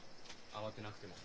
慌てなくても。